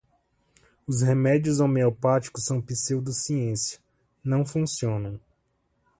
Os remédios homeopáticos são pseudociência: não funcionam